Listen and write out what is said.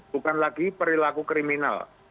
bukan lagi perilaku kriminal